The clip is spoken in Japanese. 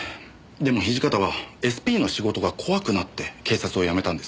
でも土方はＳＰの仕事が怖くなって警察を辞めたんです。